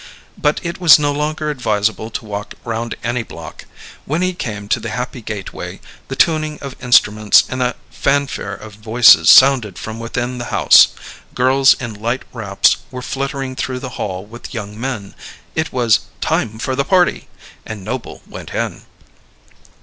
But it was no longer advisable to walk round any block. When he came to the happy gateway, the tuning of instruments and a fanfare of voices sounded from within the house; girls in light wraps were fluttering through the hall with young men; it was "time for the party!" And Noble went in.